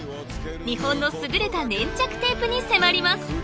日本の優れた粘着テープに迫ります。